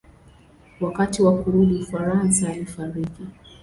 Wakati wa kurudi Ufaransa alifariki.